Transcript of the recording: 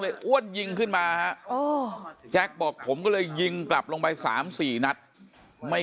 อ้วนยิงขึ้นมาฮะแจ็คบอกผมก็เลยยิงกลับลงไป๓๔นัดไม่